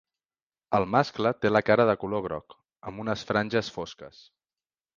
El mascle té la cara de color groc, amb unes franges fosques.